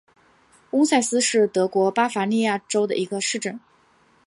翁塞斯是德国巴伐利亚州的一个市镇。